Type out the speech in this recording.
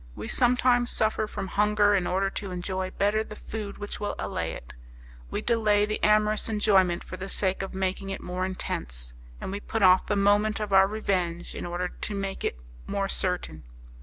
We sometimes suffer from hunger in order to enjoy better the food which will allay it; we delay the amorous enjoyment for the sake of making it more intense, and we put off the moment of our revenge in order to make it more certain.